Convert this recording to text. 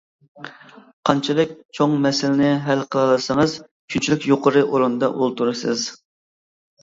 قانچىلىك چوڭ مەسىلىنى ھەل قىلالىسىڭىز، شۇنچىلىك يۇقىرى ئورۇندا ئولتۇرىسىز!